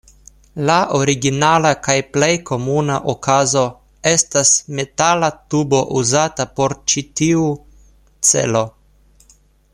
La originala kaj plej komuna okazo estas metala tubo uzata por ĉi tiu celo.